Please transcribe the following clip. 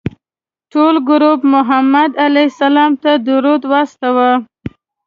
ټول ګروپ محمد علیه السلام ته درود واستوه.